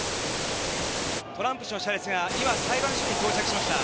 トランプ氏の車列が今、裁判所に到着しました。